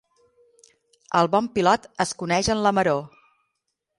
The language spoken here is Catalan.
El bon pilot es coneix en la maror.